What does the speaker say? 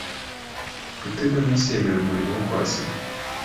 Rutegaminsi yemera umurimo wo kwasa inkwi